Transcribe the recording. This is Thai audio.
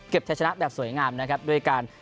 เก็บแชร์ชนะแบบสวยงามนะครับด้วยการ